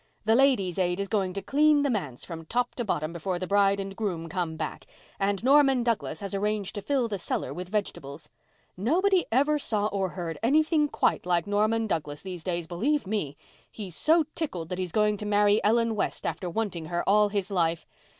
The Ladies' Aid is going to clean the manse from top to bottom before the bride and groom come back, and Norman Douglas has arranged to fill the cellar with vegetables. Nobody ever saw or heard anything quite like Norman Douglas these days, believe me. He's so tickled that he's going to marry Ellen West after wanting her all his life.